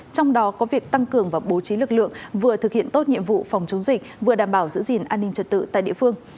trong đó có việc tăng cường và bố trí lực lượng vừa thực hiện tốt nhiệm vụ phòng chống dịch vừa đảm bảo giữ gìn an ninh trật tự tại địa phương